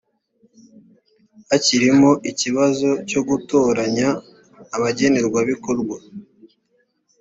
hakirimo ikibazo cyo gutoranya abagenerwabikorwa